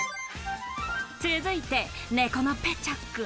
続いて猫のペチャくん。